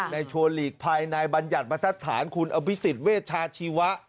ในชวนหลีกภายในบรรยัตน์ประทัดฐานคุณอบิศิษฐ์เวชาชีวะ